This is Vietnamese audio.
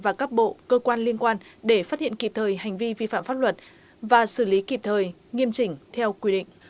và các bộ cơ quan liên quan để phát hiện kịp thời hành vi vi phạm pháp luật và xử lý kịp thời nghiêm chỉnh theo quy định